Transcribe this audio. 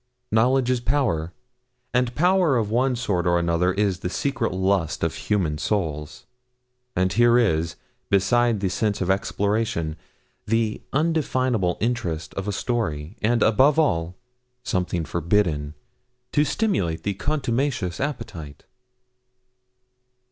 Knowledge is power and power of one sort or another is the secret lust of human souls; and here is, beside the sense of exploration, the undefinable interest of a story, and above all, something forbidden, to stimulate the contumacious appetite.